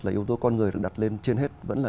là yếu tố con người được đặt lên trên hết vẫn là